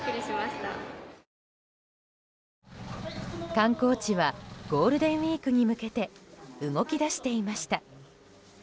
観光地はゴールデンウィークに向けて動き出していました。